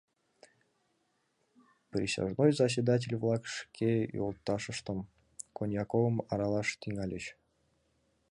Присяжной заседатель-влак шке йолташыштым, Коньяковым аралаш тӱҥальыч.